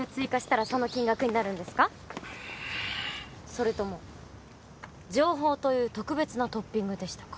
それとも情報という特別なトッピングでしたか。